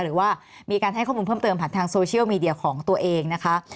หรือว่ามีการให้ข้อมูลเพิ่มเติมผ่านทางโซเชียลมีเดียของตัวเองนะคะ